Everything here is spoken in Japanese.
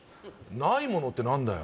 ないものって何だよ？